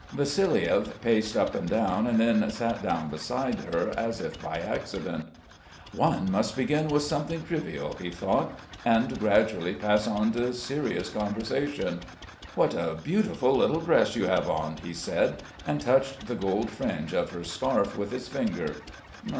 Vassiliev paced up and down and then sat down beside her as if by accident. "One must begin with something trivial," he thought, "and gradually pass on to serious conversation...." "What a beautiful little dress you have on," he said, and touched the gold fringe of her scarf with his finger.